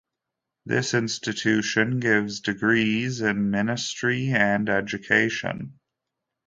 This institution gives degrees in ministry and education.